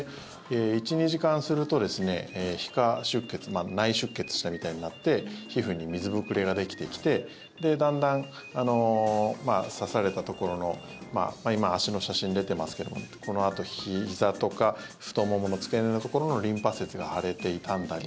１２時間すると皮下出血内出血したみたいになって皮膚に水膨れができてきてだんだん刺されたところの今、足の写真出ていますけれどもこのあと、ひざとか太ももの付け根のところのリンパ節が腫れて、痛んだり。